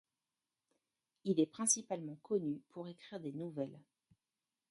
Il est principalement connu pour écrire des nouvelles.